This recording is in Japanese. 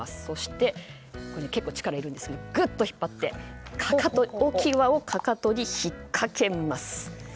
そして結構、力がいるんですがぐっと引っ張って大きい輪をかかとに引っかけます。